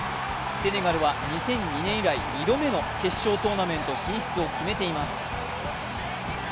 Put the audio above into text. セネガルは２００２年以来、２度目の決勝トーナメント進出を決めています。